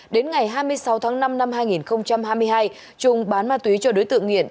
đến ngày hai mươi sáu tháng năm năm hai nghìn hai mươi hai trung bán ma túy cho đối tượng nghiện